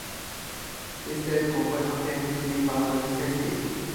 Whistle compositions tend to be particularly sensitive.